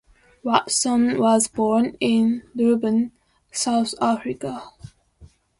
Watson was born in Durban, South Africa.